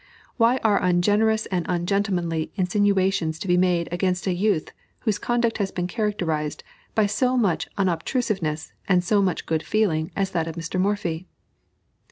Why are ungenerous and ungentlemanly insinuations to be made against a youth whose conduct has been characterized by so much unobtrusiveness and so much good feeling as that of Mr. Morphy?